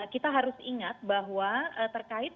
kita harus ingat bahwa terkait